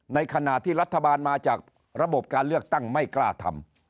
ในขณะที่รัฐบาลมาจากระบบการเลือกตั้งไม่กล้าทำ